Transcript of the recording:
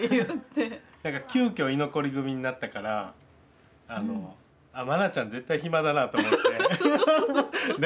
急きょ居残り組になったから愛ちゃん絶対暇だなと思って。